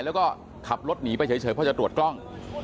แล้วก็ขับรถหนีไปเฉยเพราะจะตรวจกล้อง